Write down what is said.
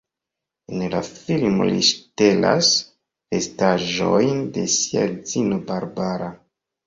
En la filmo li ŝtelas vestaĵojn de sia edzino Barbara.